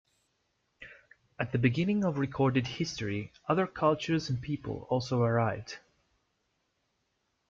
At the beginning of recorded history other cultures and people also arrived.